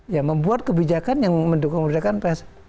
ya membuat kebijakan yang mendukung kemerdekaan pers